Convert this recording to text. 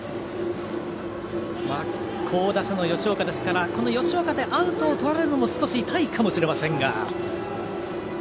好打者の吉岡ですから吉岡でアウトをとられるのも少し痛いかもしれませんが。